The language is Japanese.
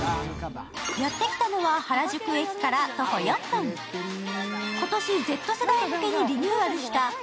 やってきたのは原宿駅から徒歩４分今年Ｚ世代向けにリニューアルしたＷＥＧＯ